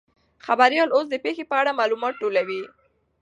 خبریال اوس د پیښې په اړه معلومات ټولوي.